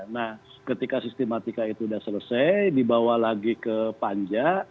nah ketika sistematika itu sudah selesai dibawa lagi ke panja